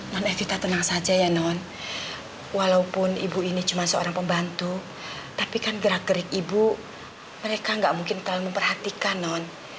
non evita tenang saja ya non walaupun ibu ini cuma seorang pembantu tapi kan gerak gerik ibu mereka nggak mungkin terlalu memperhatikan non